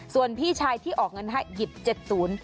ส่วนพี่ชายที่ออกเงินให้หยิบเจ็ดศูนย์